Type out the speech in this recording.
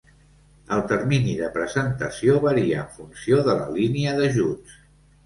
El termini de presentació varia en funció de la línia d'ajuts.